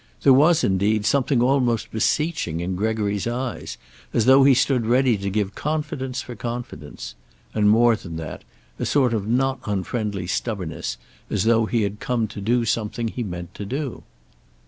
There was, indeed, something almost beseeching in Gregory's eyes, as though he stood ready to give confidence for confidence. And, more than that, a sort of not unfriendly stubbornness, as though he had come to do something he meant to do.